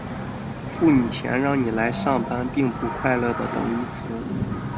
付你钱让你来上班并不快乐的等义词。